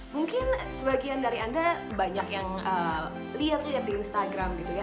mungkin sebagian dari anda banyak yang lihat lihat di instagram gitu ya